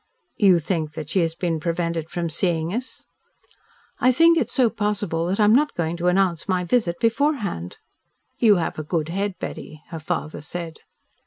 "You think that she has been prevented from seeing us?" "I think it so possible that I am not going to announce my visit beforehand." "You have a good head, Betty," her father said.